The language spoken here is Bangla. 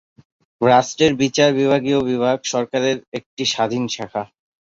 রাষ্ট্রের বিচার বিভাগীয় বিভাগ সরকারের একটি স্বাধীন শাখা।